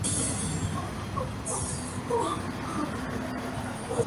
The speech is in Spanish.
La única sección nivelada del suelo está junto a la pared interior sur.